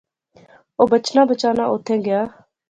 اہ بچنا بچانا اوتھیں گیا